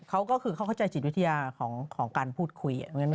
เขาก็คือเขาเข้าใจจิตวิทยาของการพูดคุย